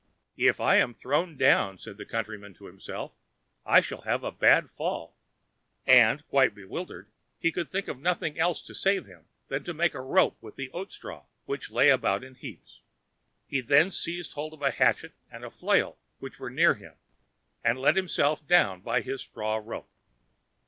"If I am thrown down," said the Countryman to himself, "I shall have a bad fall;" and, quite bewildered, he could think of nothing else to save himself than to make a rope with the oat straw, which lay about in heaps. He then seized hold of a hatchet and flail which were near him, and let himself down by his straw rope.